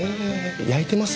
妬いてます？